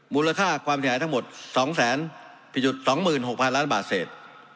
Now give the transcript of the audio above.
มูลค่าความผิดหายทั้งหมดสองแสนผิดจุดสองหมื่นหกพันล้านบาทเศษ